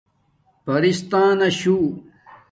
پرستاناشُو